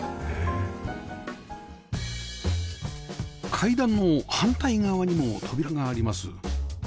階段の反対側にも扉があります